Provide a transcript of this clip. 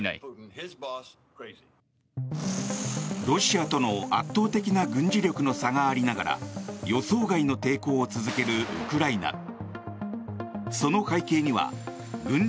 ロシアとの圧倒的な軍事力の差がありながら予想外の抵抗を続けるウクライナ。